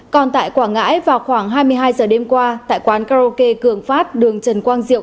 còn tại quảng ngãi vào khoảng hai mươi hai giờ đêm qua tại quán karaoke cường phát đường trần quang diệu